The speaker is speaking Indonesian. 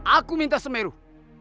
aku minta semeruh